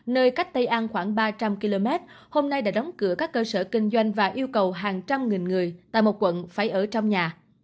nơi cách tây an khoảng ba trăm linh km hôm nay đã đóng cửa các cơ sở kinh doanh và yêu cầu hàng trăm nghìn người tại một quận phải ở trong nhà